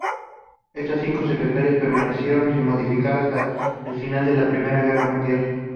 Estas cinco secretarías permanecieron sin modificar hasta el final de la Primera Guerra Mundial.